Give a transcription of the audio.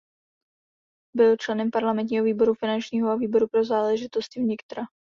Byl členem parlamentního výboru finančního a výboru pro záležitosti vnitra.